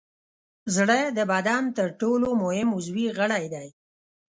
زړه د بدن تر ټولو مهم عضوي غړی دی.